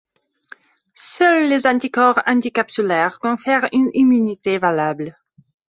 Seuls les anticorps anticapsulaires confèrent une immunité valable.